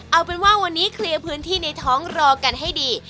เอาเป็นว่าวันนี้เคลียร์พื้นที่ในท้องรอกันให้ดี